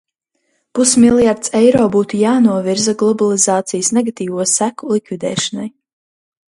Pusmiljards eiro būtu jānovirza globalizācijas negatīvo seko likvidēšanai.